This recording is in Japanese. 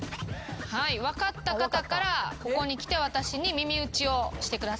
分かった方からここに来て私に耳打ちをしてください。